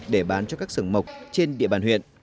để bán cho các sường mộc trên địa bàn huyện